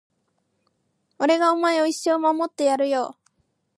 俺がお前を一生守ってやるよ